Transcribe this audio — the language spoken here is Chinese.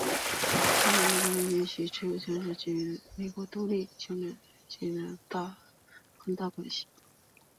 现在美国允许人民拥有枪枝的权利也与美国独立战争的民兵有很大关联。